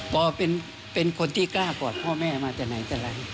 เป็นคนที่กล้ากอดพ่อแม่มาจากไหนแต่ไร